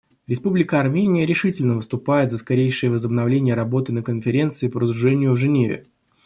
Республика Армения решительно выступает за скорейшее возобновление работы на Конференции по разоружению в Женеве.